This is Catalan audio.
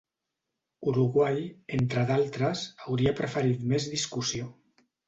Uruguai, entre d'altres, hauria preferit més discussió.